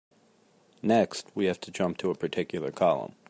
Next, we have to jump to a particular column.